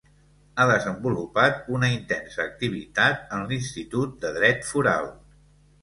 Ha desenvolupat una intensa activitat en l'Institut de Dret Foral.